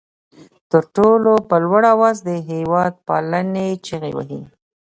تر ټولو په لوړ آواز د هېواد پالنې چغې وهي.